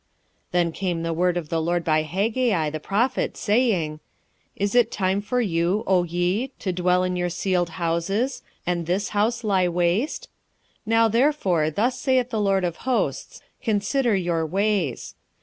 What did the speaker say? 1:3 Then came the word of the LORD by Haggai the prophet, saying, 1:4 Is it time for you, O ye, to dwell in your cieled houses, and this house lie waste? 1:5 Now therefore thus saith the LORD of hosts; Consider your ways.